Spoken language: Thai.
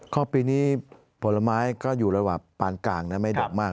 ก็ปีนี้ผลไม้ก็อยู่ระหว่างปานกลางนะไม่ดอกมาก